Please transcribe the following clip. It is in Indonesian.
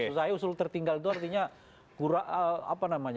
sebenarnya unsur tertinggal itu artinya kurang apa namanya